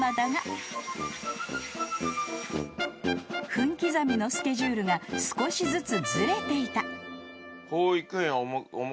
［分刻みのスケジュールが少しずつずれていた］